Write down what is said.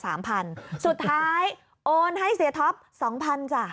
สุดท้ายโอนให้เซียท็อป๒๐๐๐จ้ะ